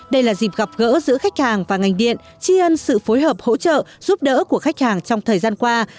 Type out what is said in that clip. đây là dịp gặp gỡ giữa khách hàng và ngành điện tri ân sự phối hợp hỗ trợ giúp đỡ của khách hàng trong thời gian qua